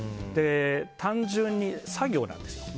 単純に作業なんですよ。